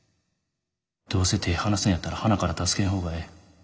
どうせ手ぇ離すんやったらはなから助けん方がええ。